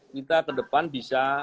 kita kedepan bisa